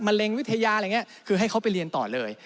เร็งวิทยาอะไรอย่างนี้คือให้เขาไปเรียนต่อเลย